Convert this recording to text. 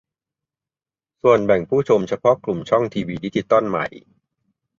ส่วนแบ่งผู้ชมเฉพาะกลุ่มช่องทีวีดิจิตอลใหม่